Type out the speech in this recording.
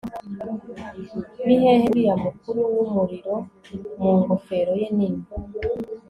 nihehe uriya mukuru wumuriro mu ngofero ye nini